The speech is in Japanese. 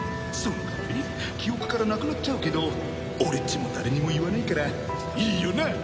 その代わり記憶からなくなっちゃうけど俺っちも誰にも言わないからいいよな？